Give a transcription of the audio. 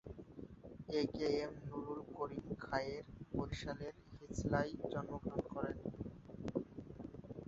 এ K M Nurul Karim Khayer বরিশালের হিজলায় জন্মগ্রহণ করেন।